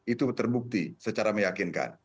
itu terbukti secara meyakinkan